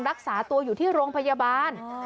รักษาตัวอยู่ที่โรงพยาบาล